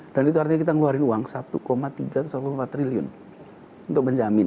dan itu artinya kita mengeluarkan uang satu tiga ratus dua puluh empat triliun untuk menjamin